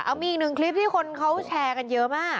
เอามีอีกหนึ่งคลิปที่คนเขาแชร์กันเยอะมาก